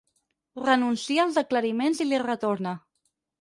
Renuncia als aclariments i li retorna.